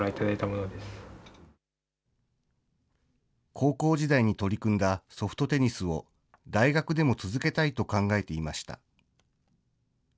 高校時代に取り組んだソフトテニスを、大学でも続けたいと考えていました。